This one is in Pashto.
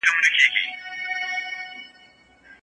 کله باید د باور کولو لپاره پوره احتیاط وکړو؟